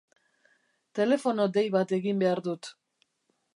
Telefono dei bat egin behar dut.